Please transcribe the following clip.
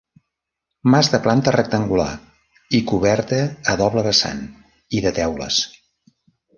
Mas de planta rectangular i coberta a doble vessant i de teules.